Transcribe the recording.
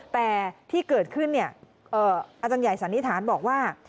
แต่ที่เกิดขึ้นอาจารย์ใหญ่สันนิษฐานบอกว่า